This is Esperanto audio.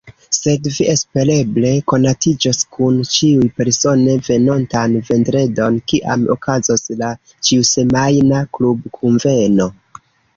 Sed vi espereble konatiĝos kun ĉiuj persone venontan vendredon, kiam okazos la ĉiusemajna klubkunveno.